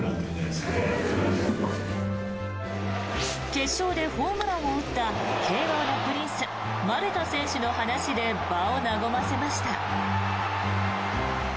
決勝でホームランを打った慶応のプリンス丸田選手の話で場を和ませました。